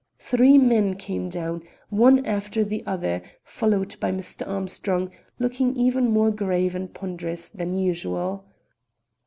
Three men came down, one after the other, followed by Mr. Armstrong, looking even more grave and ponderous than usual.